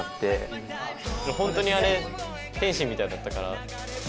ホントにあれ天使みたいだったから。